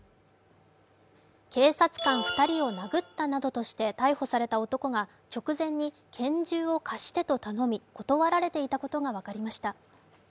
警察官２人を殴ったなどして逮捕された男が直前に、拳銃を貸してと頼み断られていたことが分かりました。